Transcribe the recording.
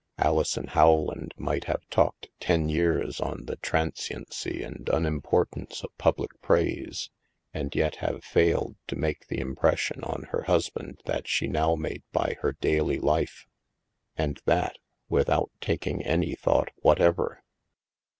Alison Howland might have talked ten years on the transiency and unimportance of public praise, and yet have failed to make the impression on her husband that she now made by her daily life '— and that, without taking any thought whatever.